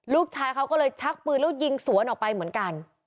ลูกชายเขาก็เลยชักปืนแล้วยิงสวนออกไปเหมือนกัน